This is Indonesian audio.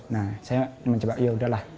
nah saya mencoba ya udahlah